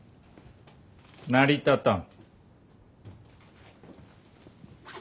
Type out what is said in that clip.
成り立たん。